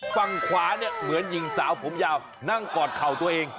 ฝั่งขวาเนี่ยเหมือนหญิงสาวผมยาวนั่งกอดเข่าตัวเอง